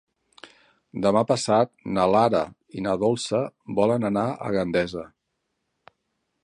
Demà passat na Lara i na Dolça volen anar a Gandesa.